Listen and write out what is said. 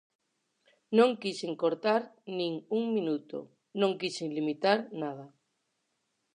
Non quixen cortar nin un minuto, non quixen limitar nada.